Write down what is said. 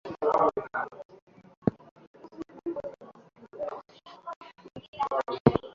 Vita vya waasi wa Machi ishirini na tatu vilianza mwaka elfu mbili kumi na mbili na kuendelea hadi mwaka elfu mbili kumi na tatu